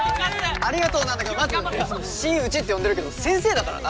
ありがとうなんだけどまずいつも新内って呼んでるけど先生だからな？